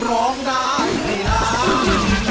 ร้องได้ให้ล้าน